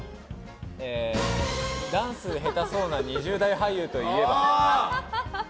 ダンス下手そうな２０代俳優といえば？